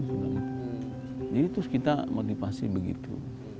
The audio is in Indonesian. jadi terus kita motivasi begitu